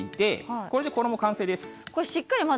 これで完成です。